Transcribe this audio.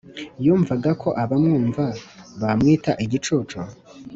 yumvaga ko abamwumva bamwita igicucu?